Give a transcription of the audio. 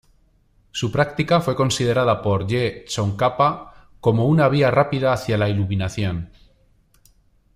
Su práctica fue considerada por Je Tsongkhapa como una vía rápida hacia la Iluminación.